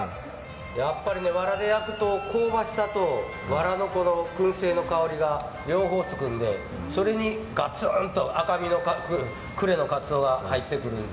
やっぱりね、わらで焼くと香ばしさとわらのくん製の香りが両方つくんで、それにガツンと赤身の久礼のかつおは入ってくるので。